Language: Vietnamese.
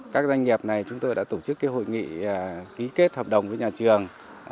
các doanh nghiệp này chúng tôi đã tổ chức hội nghị ký kết hợp đồng với nhà trường